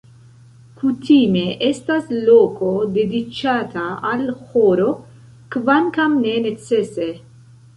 Kutime estas loko dediĉata al ĥoro, kvankam ne necese.